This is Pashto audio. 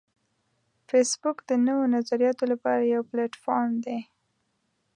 فېسبوک د نوو نظریاتو لپاره یو پلیټ فارم دی